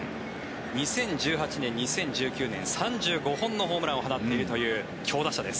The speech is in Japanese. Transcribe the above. ２０１８年、２０１９年３５本ホームランを放っているという強打者です。